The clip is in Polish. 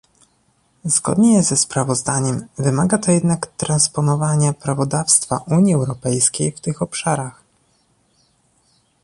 Zgodnie ze sprawozdaniem, wymaga to jednak transponowania prawodawstwa Unii Europejskiej w tych obszarach